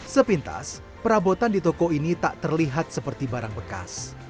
sepintas perabotan di toko ini tak terlihat seperti barang bekas